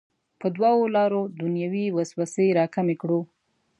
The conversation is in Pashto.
په دوو لارو دنیوي وسوسې راکمې کړو.